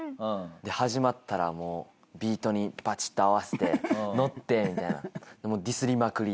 で始まったらもうビートにバチッと合わせてノってみたいな。